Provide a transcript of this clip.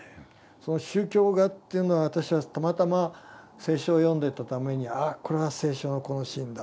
その宗教画というのは私はたまたま聖書を読んでいたためにあっこれは聖書のこのシーンだ